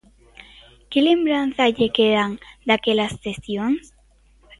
Que lembranza lle quedan daquelas sesións?